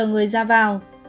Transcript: người ra vào